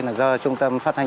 là do trung tâm phát hành